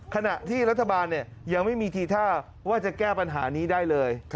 ขณะที่รัฐบาลยังไม่มีทีท่าว่าจะแก้ปัญหานี้ได้เลย